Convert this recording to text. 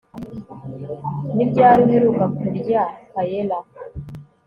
Ni ryari uheruka kurya paella